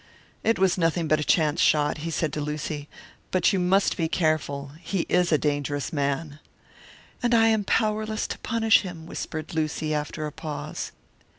"It was nothing but a chance shot," he said to Lucy, "but you must be careful. He is a dangerous man." "And I am powerless to punish him!" whispered Lucy, after a pause.